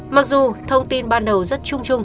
mặc dù thông tin ban đầu rất trung trung